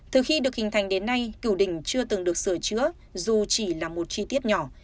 từ khi được hình thành đến nay cửu đỉnh chưa từng được sửa chữa dù chỉ là một chi tiết nhỏ